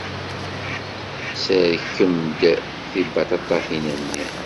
Sserkem-d tibaṭaṭatin-nni.